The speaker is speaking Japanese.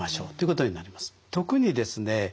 特にですね